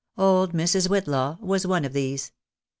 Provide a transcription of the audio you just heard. Old Mrs. Whitlaw was one of these.